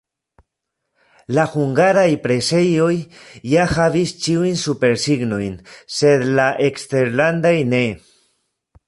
La hungaraj presejoj ja havis ĉiujn supersignojn, sed la eksterlandaj ne.